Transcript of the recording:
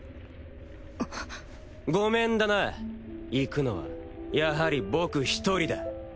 ごめんだな行くのはやはり僕１人だ。